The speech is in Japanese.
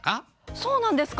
そうなんですか？